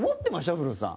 古田さん。